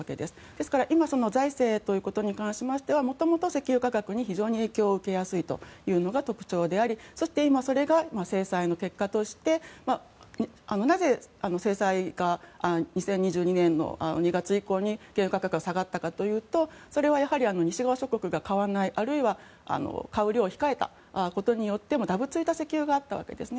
ですから今、財政ということに関しては元々、石油価格に非常に影響を受けやすいのが特徴でありそして、今それが制裁の結果としてなぜ、制裁が２０２２年の１月以降に原油価格が下がったかというとそれは西側諸国が買わないあるいは買う量を控えたことによってだぶついた石油があったわけですね。